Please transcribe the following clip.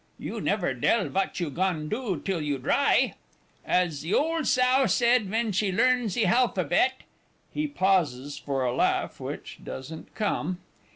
You never dell vat you gan do till you dry, as ze ole sow said ven she learn ze halphabet. (_He pauses for a laugh which doesn't come.